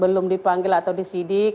belum dipanggil atau disidik